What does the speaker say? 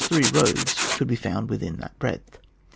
47 three roads could be found within that breadth.